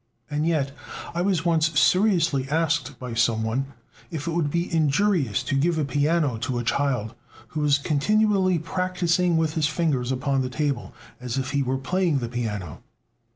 And yet I was once seriously asked by some one if it would be injurious to give a piano to a child who was continually practising with his fingers upon the table, as if he were playing the piano.